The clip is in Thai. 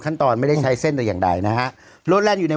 ตอนไม่ได้ใช้เส้นแต่อย่างใดนะฮะรถแลนดอยู่ใน